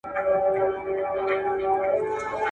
زه پوښتنه نه کوم،